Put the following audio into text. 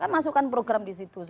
kan masukkan program di situ